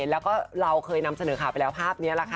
แล้วก็เราเคยนำเสนอข่าวไปแล้วภาพนี้แหละค่ะ